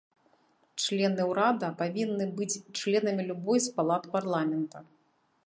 Члены ўрада павінны быць членамі любой з палат парламента.